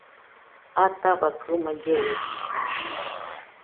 Ataua kɨmaɨ llerɨde